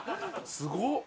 すごっ！